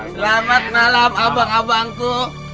selamat malam abang abangku